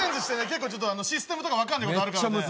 結構ちょっとシステムとか分かんないことあるからね